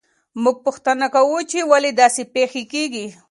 موږ پوښتنه کوو چې ولې داسې پېښې کیږي.